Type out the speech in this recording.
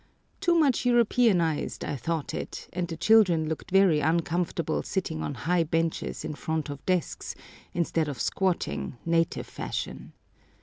Too much Europeanised I thought it, and the children looked very uncomfortable sitting on high benches in front of desks, instead of squatting, native fashion.